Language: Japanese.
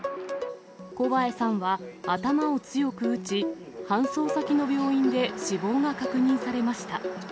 小八重さんは頭を強く打ち、搬送先の病院で死亡が確認されました。